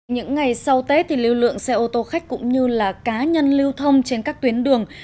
những ngày sau tết thì lưu lượng xe ô tô khách cũng như là cá nhân lưu thông trên các tuyến đường